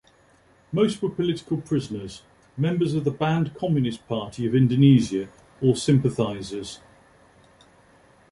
Most were political prisoners, members of the banned Communist Party of Indonesia or sympathizers.